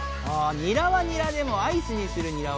「ニラはニラでもアイスにするニラは？」